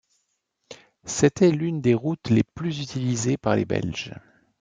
C'était l'une des routes les plus utilisées par les Belges.